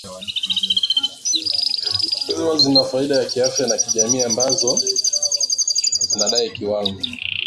hewa zina faida za kiafya na kijamii ambazo zinazidi kwa kiwango